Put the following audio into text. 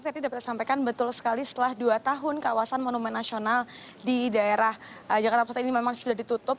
tadi dapat saya sampaikan betul sekali setelah dua tahun kawasan monumen nasional di daerah jakarta pusat ini memang sudah ditutup